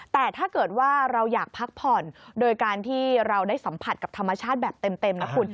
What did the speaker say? แต่ถ้าเกิดว่าเราอยากพักผ่อนโดยการที่เราได้สัมผัสกับธรรมชาติแบบเต็มนะคุณ